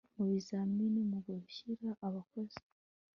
mu bizamini mu gushyira abakozi